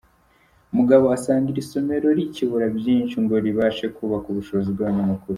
Mugabo asanga iri somero rikibura byinshi ngo ribashe kubaka ubushobozi bw’abanyamakuru.